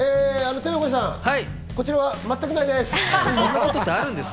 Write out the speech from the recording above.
天の声さん、こちらは全くないです。